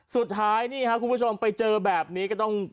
สุดท้ายนี่ครับคุณผู้ชมไปเจอแบบนี้ก็ต้อง